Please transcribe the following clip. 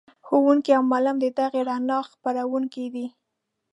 ښوونکی او معلم د دغې رڼا خپروونکی دی.